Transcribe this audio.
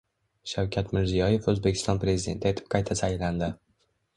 Shavkat Mirziyoyev O‘zbekiston Prezidenti etib qayta saylandi